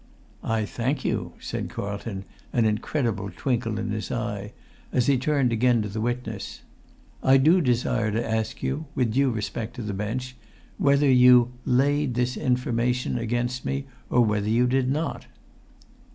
"I thank you," said Carlton, an incredible twinkle in his eye, as he again turned to the witness. "I do desire to ask you, with due respect to the bench, whether you 'laid this information' against me, or whether you did not?"